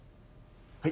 はい。